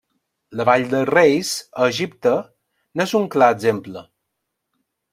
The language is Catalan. La Vall dels Reis, a Egipte, n'és un clar exemple.